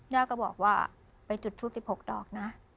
ย่าก็บอกว่าไปจุดทูป๑๖ดอกนะ